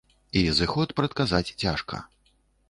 І зыход прадказаць цяжка.